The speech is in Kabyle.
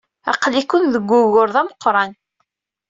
Aql-iken deg wugur d ameqran.